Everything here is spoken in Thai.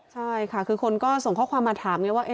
ใช่ค่ะคือคนก็ส่งข้อความมาถามไงว่า